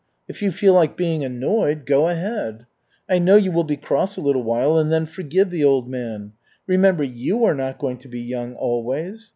If you feel like being annoyed, go ahead. I know you will be cross a little while and then forgive the old man. Remember, you are not going to be young always.